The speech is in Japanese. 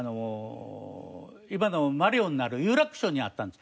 今のマリオンのある有楽町にあったんです。